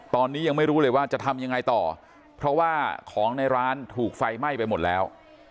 ตอนนี้ยังไม่รู้เลยว่าจะทำยังไงต่อเพราะว่าของในร้านถูกไฟไหม้ไปหมดแล้ว